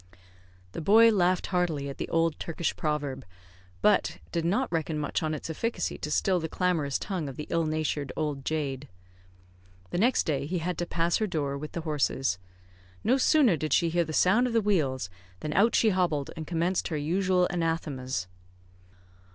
The boy laughed heartily at the old Turkish proverb, but did not reckon much on its efficacy to still the clamorous tongue of the ill natured old jade. The next day he had to pass her door with the horses. No sooner did she hear the sound of the wheels, than out she hobbled, and commenced her usual anathemas.